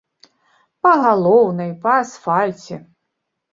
Па галоўнай, па асфальце.